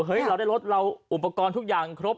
เราได้รถเราอุปกรณ์ทุกอย่างครบ